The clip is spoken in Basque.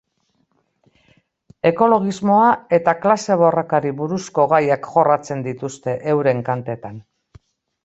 Ekologismoa eta klase-borrokari buruzko gaiak jorratzen dituzte euren kantetan.